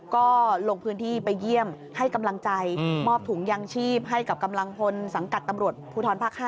ก็ลงพื้นที่ไปเยี่ยมให้กำลังใจมอบถุงยางชีพให้กับกำลังพลสังกัดตำรวจภูทรภาค๕